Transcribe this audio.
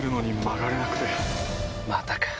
またか。